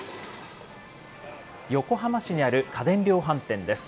横浜市にある家電量販店です。